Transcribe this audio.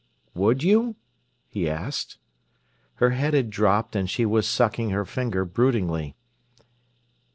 "Would you?" he asked. Her head had dropped, and she was sucking her finger broodingly.